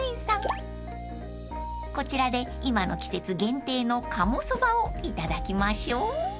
［こちらで今の季節限定の鴨そばをいただきましょう］